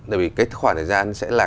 tại vì cái khoảng thời gian sẽ là